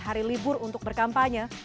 hari libur untuk berkampanye